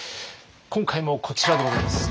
今回もこちらでございます！